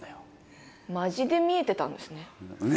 マジで見えてたんですね。